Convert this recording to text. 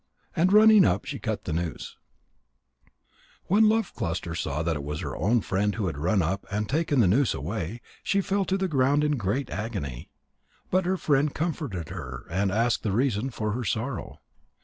And running up, she cut the noose. When Love cluster saw that it was her own friend who had run up and taken the noose away, she fell to the ground in great agony. But her friend comforted her and asked the reason of her sorrow.